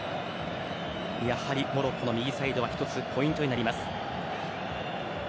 やはり、モロッコの右サイドは１つ、ポイントになります。